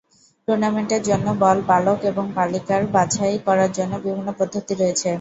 টুর্নামেন্টের জন্য বল বালক এবং বালিকার বাছাই করার জন্য বিভিন্ন পদ্ধতি রয়েছে।